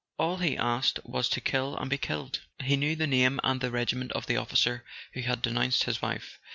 All he asked was to kill and be killed. He knew the name and the regiment of the officer who had denounced his wife.